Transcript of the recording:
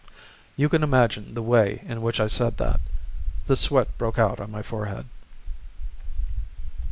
You can imagine the way in which I said that; the sweat broke out on my forehead.